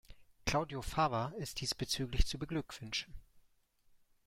Claudio Fava ist diesbezüglich zu beglückwünschen.